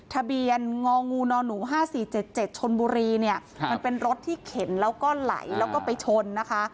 ทะเบียนงองูนอนหนูห้าสี่เจ็ดเจ็ดชนบุรีเนี้ยมันเป็นรถที่เข็นแล้วก็ไหลแล้วก็ไปชนนะคะ